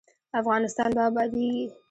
افغانستان به ابادیږي؟